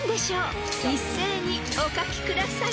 ［一斉にお書きください］